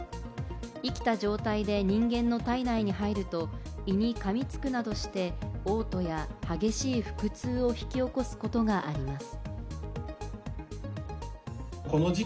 生きた状態で人間の体内に入ると、胃に噛みつくなどして嘔吐や激しい腹痛を引き起こすことがあります。